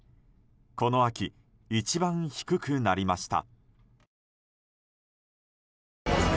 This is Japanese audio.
この秋、一番低くなりました。